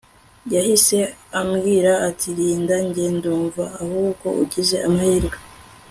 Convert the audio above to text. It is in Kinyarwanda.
yahise ambwira ati Linda njye ndumva ahubwo ugize amahirwe